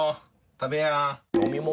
食べや。